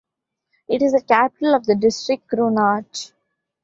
It is the capital of the district Kronach.